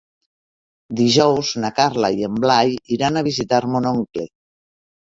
Dijous na Carla i en Blai iran a visitar mon oncle.